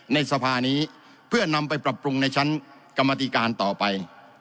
ในสภานี้เพื่อนำไปปรับปรุงในชั้นกรรมติการต่อไป